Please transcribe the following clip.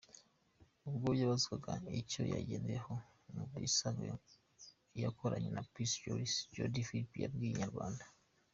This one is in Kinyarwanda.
Ubwo yabazwaga icyo yagendeyeho ngo yisange yakoranye na Peace Jolis, Jody Phibi yabwiye Inyarwanda.